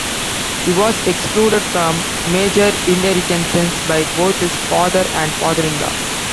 He was excluded from major inheritances by both his father and father-in-law.